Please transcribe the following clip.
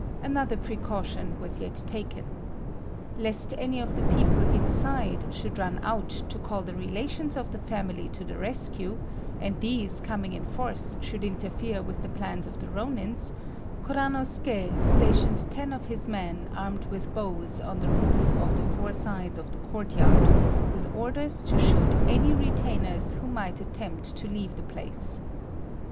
Another precaution was yet taken. Lest any of the people inside should run out to call the relations of the family to the rescue, and these coming in force should interfere with the plans of the Rônins, Kuranosuké stationed ten of his men armed with bows on the roof of the four sides of the courtyard, with orders to shoot any retainers who might attempt to leave the place.